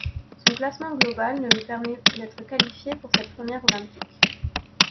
Son classement global ne lui permet d'être qualifiée pour cette première olympique.